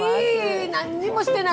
何にもしてない